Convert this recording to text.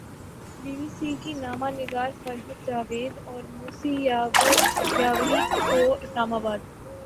be B C کی نامہ نگار فرحت جاوید اور موسی یاوری کو اسلام آباد